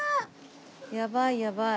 やばいやばい。